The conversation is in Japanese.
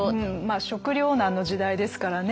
食糧難の時代ですからね。